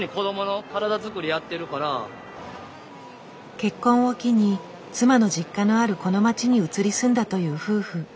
結婚を機に妻の実家のあるこの街に移り住んだという夫婦。